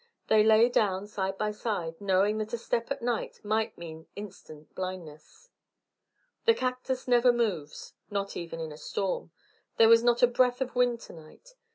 They lay down side by side, knowing that a step at night might mean instant blindness. The cactus never moves, not even in a storm. There was not a breath of wind to night.